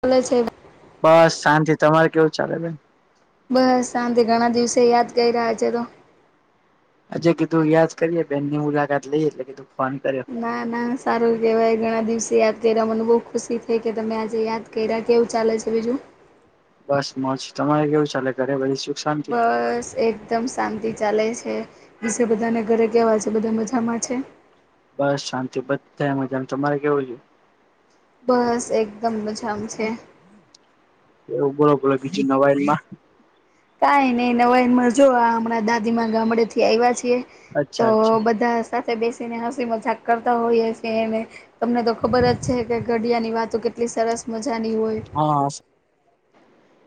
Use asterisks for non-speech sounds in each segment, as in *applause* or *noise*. બોલે છે બસ શાંતિ તમારે કેવું ચાલે બેન બસ સાંજે ઘણા દિવસે યાદ કઈરા આજે તો? હજે કીધું યાદ કરીએ બેનની મુલાકાત લઈએ એટલે કીધું ફોન કરે. ના ના સારું કેહેવાય ઘણા દિવસે યાદ કર્યા મને બહુ ખુશી થઈ કે તમે આજે યાદ કેરા, કેવું ચાલે છે બીજું? બસ મોજ તમારે કેવું ચાલે ઘરે? *inaudible* બસ એક એકદમ શાંતિ ચાલે છે વિશે બધાને ઘરે કહેવાય છે બધા મજામાં છે? બસ શાંતિ બધાય મજામાં, તમારે કેવું છે? બસ એકદમ મજામાં છે. એવું બોલો બોલો બીજું નવાઈલ માં. કઈ નઈ નવા જો આ હમણાં દાદી ગામડે થી આવ્યા છીએ. તો અચ્છા અચ્છા બધા સાથે બેસીને હસી મજાક કરતા હોઈએ છે ને તમને તો ખબર જ છે કે ઘડિયાની વાતો કેટલી સરસ મજાની હોય. હા.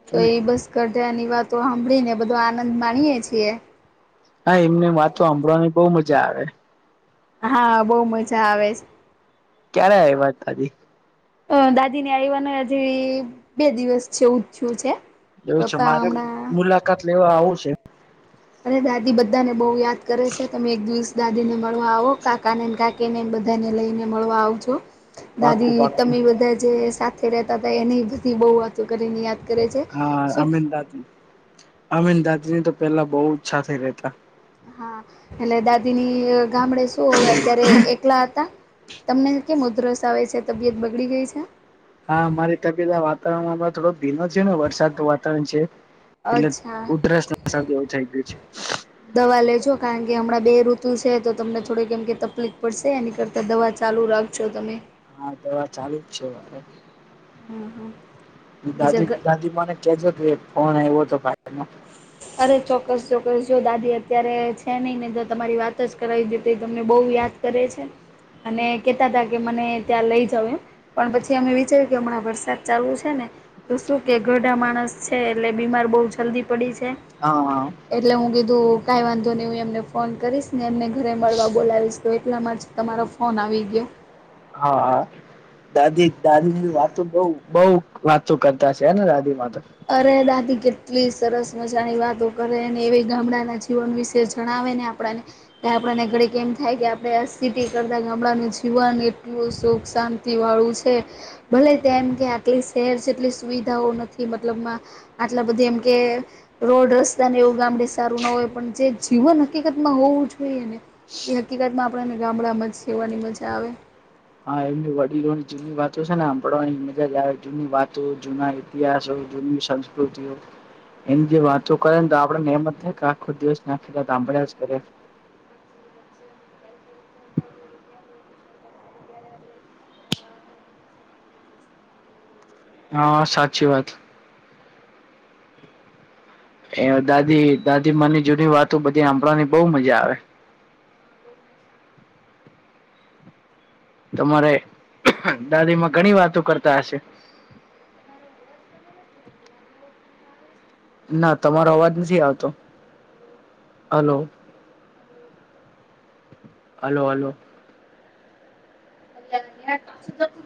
તો એ બસ કઢ્યાની વાતો સાંભળી ને બધો આનંદ માણીએે છીએ. હા એમને વાતો સાંભળવાની બહુ મજા આવે. હા બહુ મજા આવે છે. ક્યારે આઇવા દાદી? હ દાદી ની આયવાનોજે બે દિવસ જેવું થયું છે. એવું છે પપ્પા મારે હમણાં *inaudible* લેવા આવું છે? અનેરે દાદી બધા ને બહુ યાદ કરે છે તમે એક દિવસ દાદી ને મળવા આવો કાકા ને કાકી કેને બધાને લઈને મળવા આવજો. પાકું દાદી પાકું તમે બધા જે સાથે રતા હતાા એને બધી બહુ વાતો કરીને યાદ કરે છે. હા સુખ અમીન દાદી અમીન દાદી ની તો પેલા બહ જ સાથે રેતા. હા એટલે દા દી ગામડે શું અત્યારે એકલા હતા. તમને કેમ ઉધરસ આવે છે? તબિયત બગડી ગઈ છે? હા મારી તબયત વાતાવરણમાં થોડો ભીનો છે ને વરસાદ ન વાતાવરણ છે એટલે અચ્છા. ઉધરસ એવું થઈ ગયું છે. દવા લેજો કારણ કે હમણાં બે ઋતુ છે તો તમને થોડીકમ કે તફલીક પડશે એની કરતા દવા ચાલુ રાખ *unintelligible* હા દવા ચાલુ જ છે મારે. હમ હા. દાદી બીજા દાદી મને કેજો ત ફોન આવ્યો હતો. *inaudible* અરે ચોક્કસ ચોક્કસ જો દાદી અત્યારે છે નહી ને જો તમારી વાત જ કરાવી દેત તમને બહુ યાદ કરે છે અને કેતા હતા કે મને ત્યાં લઈ જાાવ એમ પણ પછી અમે વિચાર્યું કે હમણાં વરસાદ ચાલુ છે ને તો શું કે ઘરડા માણસ છે એટલે બીમાર બહુ જલ્દી પડી જાય. હા એટલે હું કીધું કાઈ વાંધો નહી હું એમને ફોન કરીશ ને એમને ઘરે મળવા બોલાવીશ. તો એટલામાં જ તમારો ફોન આવી ગયો. હા દાદી દાદીની વાતો બઉ બઉ વાતો કરતા છેને દાદીમાં તો. અરે દાદી કેટલી સરસ મજાની વાતો કરે ને એવી ગામડાના જીવન વિશે જ જણાવેને આપણને કે આપણને ઘડી કે એમ થાય કે આપણે આ સીટી કરતા કે ગામડાનું જીવન એટલું સુખ શાંત તિ વાળું છે. ભલે તેમ કે આટલી શહેર છે એટલી સુવિધાઓ નથી મતલબમાં આટલા બધી એમ કે રોડ રસ્તા ને એવું ગામડે સારું ના હોય પણ જે જીવન હકીકત માં હોવું જોઈએ ને એ હકીકતમાં આપણને ગામડામાં જ સેવવાની મજા આવે. હા એમની વડીલોની જૂની વાતો છે ને સાંભળવાની મજાજ આવે જૂની વાતો જૂના ઇતિહાસો જુની સંસ્કૃતિઓ એની જે વાતો કરે ને તો આપડને એમ જ થાય કે આખો દિવસને આખી રાતો સાંભળ્યા જ કરે. હા સાચી વાત. એ દાદી દાદી માંની જૂની વાતો બધી હાભળવાની બહુ મજા આવે. તમારે દાદી માં ઘણી વાતો કરતા હશે. ના તમારો અવાજ નથી આવતો હલો. Hello hello. *inaudible*